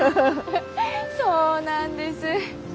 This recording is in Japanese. そうなんです。